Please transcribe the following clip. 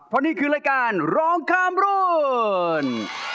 เพราะนี่คือรายการร้องข้ามรุ่น